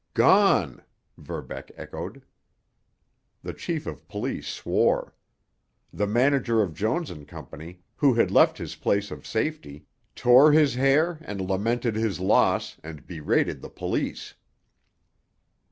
"Gone!" Verbeck echoed. The chief of police swore. The manager of Jones & Co., who had left his place of safety, tore his hair and lamented his loss and berated the police.